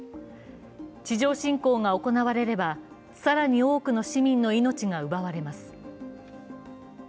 地上侵攻が行われれば、更に多くの市民の命が奪われます。